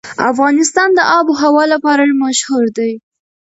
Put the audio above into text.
افغانستان د آب وهوا لپاره مشهور دی.